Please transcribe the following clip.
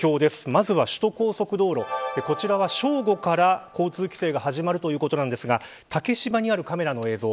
まずは、首都高速道路こちらは正午から交通規制が始まるということなんですが竹芝にあるカメラの映像